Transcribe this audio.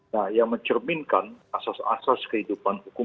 nah yang mencerminkan asas asas kehidupan hukum